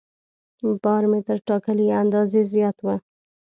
بار مې تر ټاکلي اندازې زیات و.